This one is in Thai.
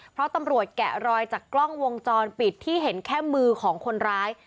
เพราะตำรวจแกะรอยจากกล้องวงจรปิดที่เห็นแค่มือของคนร้าย